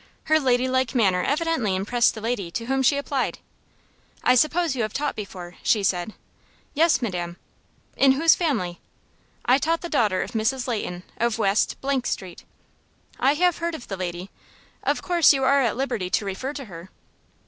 Her ladylike manner evidently impressed the lady to whom she applied. "I suppose you have taught before?" she said. "Yes, madam." "In whose family?" "I taught the daughter of Mrs. Leighton, of West Street." "I have heard of the lady. Of course you are at liberty to refer to her?"